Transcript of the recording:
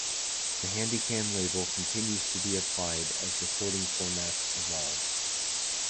The Handycam label continues to be applied as recording formats evolve.